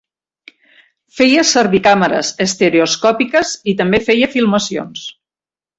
Feia servir càmeres estereoscòpiques i també feia filmacions.